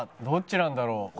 どっちなんだろう？